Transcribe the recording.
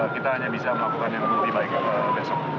kita hanya bisa melakukan yang lebih baik besok